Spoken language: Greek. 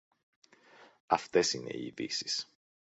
Αυτές είναι οι ειδήσεις